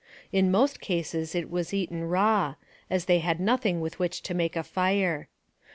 In most cases it was eaten raw, as they had nothing with which to make a fire.